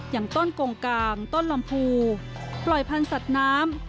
อย่างต้นกงกามต้นลำพูปล่อยพันธุ์สัตว์น้ำ